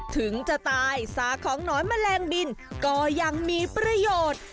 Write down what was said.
ถึงจะตายซากของน้อยแมลงบินก็ยังมีประโยชน์